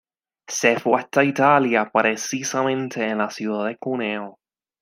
Se fue hasta Italia, precisamente en la ciudad de Cuneo.